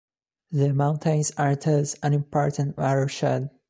The mountains are thus an important watershed.